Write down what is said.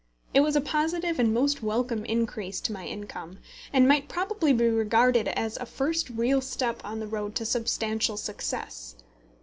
It was a positive and most welcome increase to my income, and might probably be regarded as a first real step on the road to substantial success.